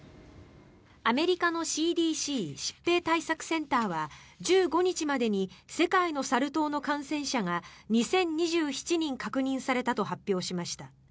アメリカのＣＤＣ・疾病対策センターは１５日までに世界のサル痘の感染者が２０２７人確認されたと発表しました。